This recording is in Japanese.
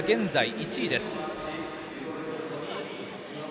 １位です。